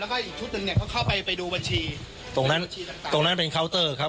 แล้วก็อีกชุดหนึ่งเนี่ยก็เข้าไปไปดูบัญชีตรงนั้นตรงนั้นเป็นเคาน์เตอร์ครับ